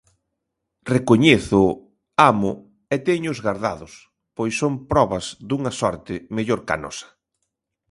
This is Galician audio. Recoñézoo, amo, e téñoos gardados, pois son probas dunha sorte mellor cá nosa.